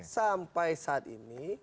sampai saat ini